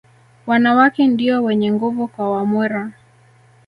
Wanawake ndio wenye nguvu kwa Wamwera